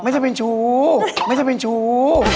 ไม่ใช่เป็นชู้ไม่ใช่เป็นชู้